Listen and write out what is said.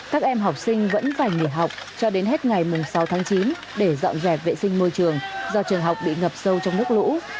các em học sinh vẫn phải nghỉ học cho đến hết ngày sáu tháng chín để dọn dẹp vệ sinh môi trường do trường học bị ngập sâu trong nước lũ